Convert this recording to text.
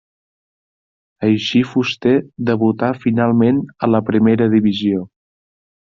Així Fuster debutà finalment a la Primera Divisió.